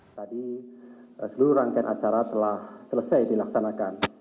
tadi seluruh rangkaian acara telah selesai dilaksanakan